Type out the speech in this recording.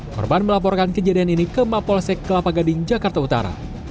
korban melaporkan kejadian ini ke mapolsek kelapa gading jakarta utara